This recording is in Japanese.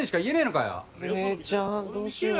姉ちゃんどうしよう。